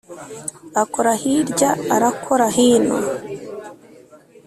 arakora hirya arakora hino :